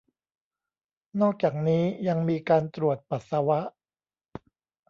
นอกจากนี้ยังมีการตรวจปัสสาวะ